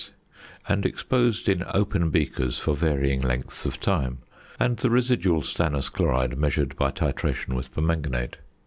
and exposed in open beakers for varying lengths of time; and the residual stannous chloride measured by titration with permanganate.